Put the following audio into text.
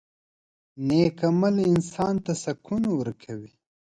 • نیک عمل انسان ته سکون ورکوي.